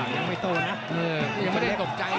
ยังไม่ตอบนะ